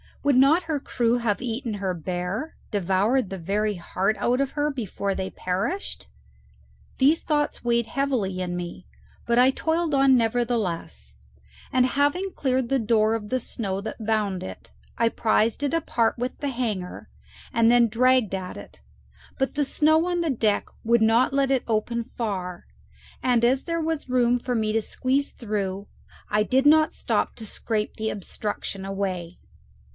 Would not her crew have eaten her bare, devoured the very heart out of her, before they perished? These thoughts weighed heavily in me, but I toiled on nevertheless, and having cleared the door of the snow that bound it, I prized it apart with the hanger and then dragged at it; but the snow on the deck would not let it open far, and as there was room for me to squeeze through, I did not stop to scrape the obstruction away.